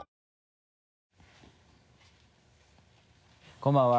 こんばんは。